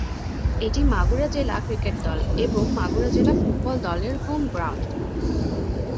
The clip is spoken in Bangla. এটি মাগুরা জেলা ক্রিকেট দল এবং মাগুরা জেলা ফুটবল দলের হোম গ্রাউন্ড।